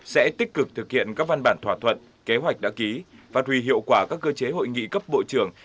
sẽ tích cực thực hiện các văn bản thỏa thuận kế hoạch đã ký phát huy hiệu quả các cơ chế hội nghị cấp bộ trưởng